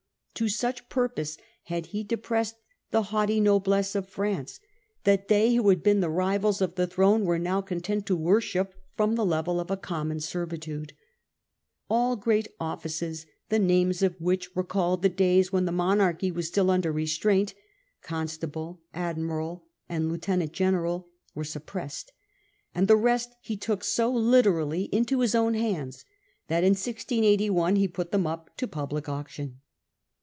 To such purpose had he depressed the haughty noblesse of France, that they who had been the rivals of the throne were now content to worship from the level of a common servitude. All great offices, the names of which recalled the days when the monarchy was still under restraint — Constable, Admiral, Lieutenant General — were suppressed ; and the rest he took so literally into his own hands that in 1681 he put them up to public auction.